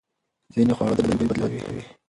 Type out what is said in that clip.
ځینې خواړه د بدن بوی بدلوي.